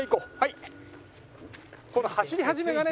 この走り始めがね